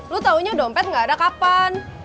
lu taunya dompet gak ada kapan